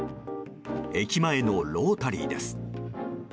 駅前のロータリーです。